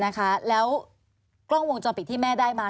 นะคะแล้วกล้องวงจรปิดที่แม่ได้มา